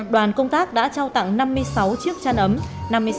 đoàn công tác đã trao tặng năm mươi sáu chiếc chăn ấm